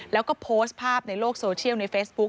แล้วก็โพสต์ภาพในโลกโซเชียลในเฟซบุ๊ค